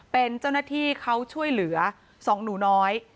เป็นเจ้าหน้าที่เขาช่วยเหลือ๒หนูน้อย